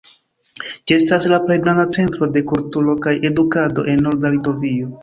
Ĝi estas la plej granda centro de kulturo kaj edukado en Norda Litovio.